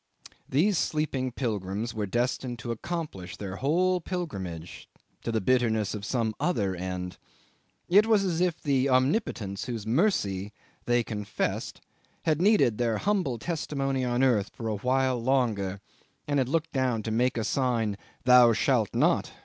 These sleeping pilgrims were destined to accomplish their whole pilgrimage to the bitterness of some other end. It was as if the Omnipotence whose mercy they confessed had needed their humble testimony on earth for a while longer, and had looked down to make a sign, "Thou shalt not!"